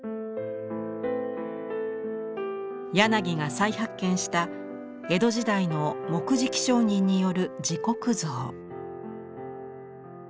柳が再発見した江戸時代の木喰上人による自刻像。